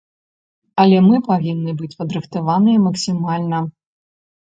Але мы павінны быць падрыхтаваныя максімальна.